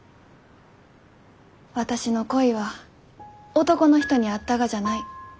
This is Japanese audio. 私の恋は男の人にあったがじゃない。